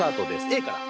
Ａから。